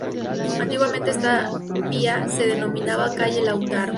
Antiguamente esta vía se denominaba calle Lautaro.